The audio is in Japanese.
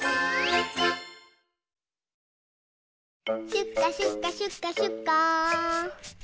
シュッカシュッカシュッカシュッカー。